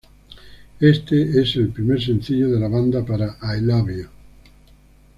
Este es el primer sencillo de la banda para "I Love You.